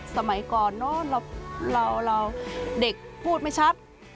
สมัยก่อนเนอะเราเด็กพูดไม่ชัด